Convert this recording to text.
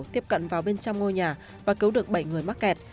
tiếp cận vào bên trong ngôi nhà và cứu được bảy người mắc kẹt